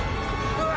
うわ！